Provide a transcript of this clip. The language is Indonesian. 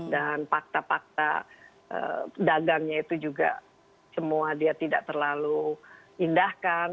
dan fakta fakta dagangnya itu juga semua dia tidak terlalu indahkan